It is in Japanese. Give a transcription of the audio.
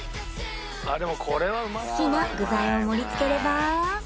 好きな具材を盛り付ければ